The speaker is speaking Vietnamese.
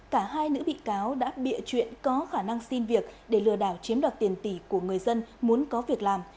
cả hai nữ bị cáo đã bịa chuyện có khả năng xin việc để lừa đảo chiếm đoạt tiền tỷ của người dân muốn có việc làm